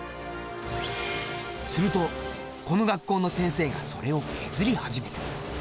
するとこの学校の先生がそれを削り始めた！